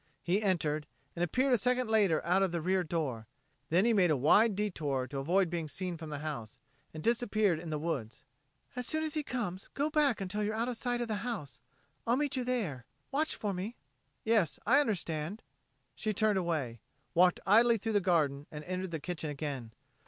He entered and appeared a second later out of the rear door; then he made a wide detour to avoid being seen from the house, and disappeared in the woods. "As soon as he comes, go back until you're out of sight of the house. I'll meet you there. Watch for me." "Yes I understand." She turned away, walked idly through the garden, and entered the kitchen again.